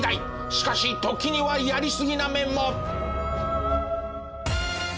しかし時にはやりすぎな面も！